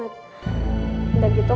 gak gitu kamu masih